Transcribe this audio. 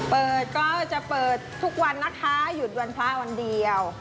เปิดก็จะเปิดทุกวันนะคะหยุดวันพระวันเดียว